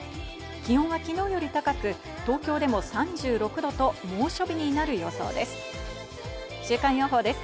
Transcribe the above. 気温は昨日より高く東京でも３６度と猛暑日になる予想です。